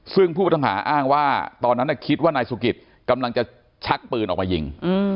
ซึ่งผู้ต้องหาอ้างว่าตอนนั้นคิดว่านายสุกิตกำลังจะชักปืนออกมายิง